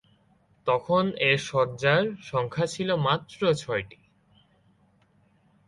তখন এর শয্যার সংখ্যা ছিল মাত্র ছয়টি।